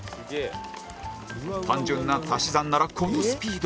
単純な足し算ならこのスピード